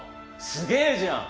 すげえじゃん！